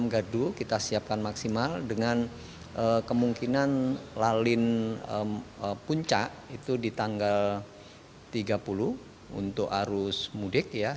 enam gardu kita siapkan maksimal dengan kemungkinan lalin puncak itu di tanggal tiga puluh untuk arus mudik ya